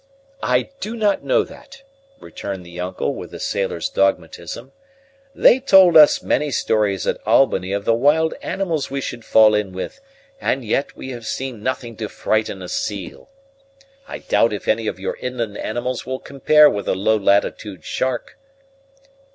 "I do not know that," returned the uncle, with a sailor's dogmatism. "They told us many stories at Albany of the wild animals we should fall in with, and yet we have seen nothing to frighten a seal. I doubt if any of your inland animals will compare with a low latitude shark."